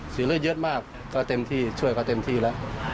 เลือดเยอะมากก็เต็มที่ช่วยเขาเต็มที่แล้ว